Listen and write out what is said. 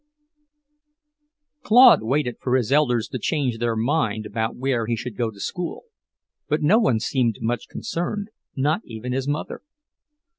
V Claude waited for his elders to change their mind about where he should go to school; but no one seemed much concerned, not even his mother.